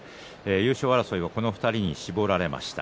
優勝争いはこの２人に絞られました。